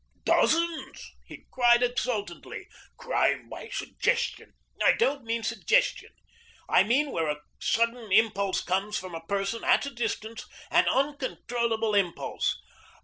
"Dozens!" he cried exultantly. "Crime by suggestion " "I don't mean suggestion. I mean where a sudden impulse comes from a person at a distance an uncontrollable impulse."